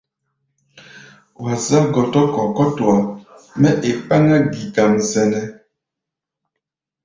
Wa zá̧ gɔtɔ-kɔ̧ kútua mɛ́ e kpáná-gi-kam sɛnɛ́.